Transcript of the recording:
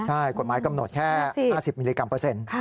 ใช่กฎหมายกำหนดแค่๕๐มิลลิกรัมเปอร์เซ็นต์